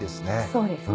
そうですね。